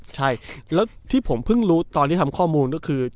ใช่แล้วที่ผมเพิ่งรู้ตอนที่ทำข้อมูลก็คือ